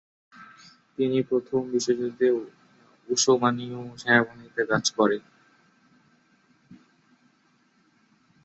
তিনি প্রথম বিশ্বযুদ্ধে উসমানীয় সেনাবাহিনীতে কাজ করেন।